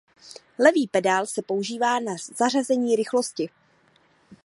Levý pedál se používal na zařazení rychlosti.